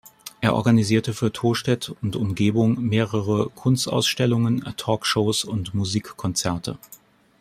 Er organisierte für Tostedt und Umgebung mehrere Kunstausstellungen, Talkshows und Musikkonzerte.